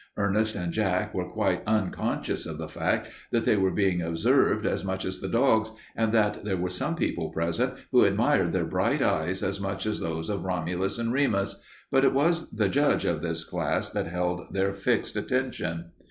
Ernest and Jack were quite unconscious of the fact that they were being observed as much as the dogs and that there were some people present who admired their bright eyes as much as those of Romulus and Remus. But it was the judge of this class that held their fixed attention.